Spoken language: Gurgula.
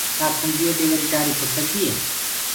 ڪآ کِنگيو دي وري ٽآري ڦوُٽ سڪدي هي۔